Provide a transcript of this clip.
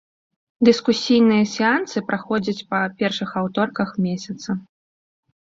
Дыскусійныя сеансы праходзяць па першых аўторках месяца.